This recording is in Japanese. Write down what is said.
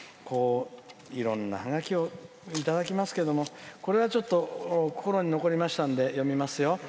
いろんなハガキをいただきますけど、これはちょっと心に残りましたんで読みますよ。